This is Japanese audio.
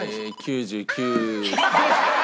９９。